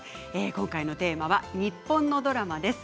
今回のテーマは日本のドラマです。